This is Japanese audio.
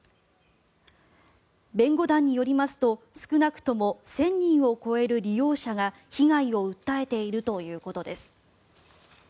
弁護団によりますと少なくとも１０００人を超える利用者が被害を訴えているということです。